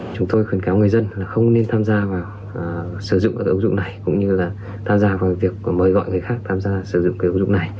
chúng tôi khuyến cáo người dân là không nên tham gia vào sử dụng các ứng dụng này cũng như là tham gia vào việc mời gọi người khác tham gia sử dụng cái ứng dụng này